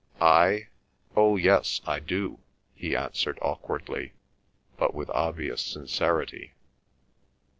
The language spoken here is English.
"I? Oh, yes, I do," he answered awkwardly, but with obvious sincerity.